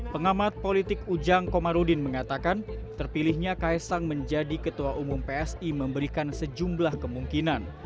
pengamat politik ujang komarudin mengatakan terpilihnya kaisang menjadi ketua umum psi memberikan sejumlah kemungkinan